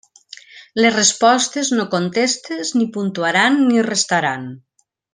Les respostes no contestes ni puntuaran ni restaran.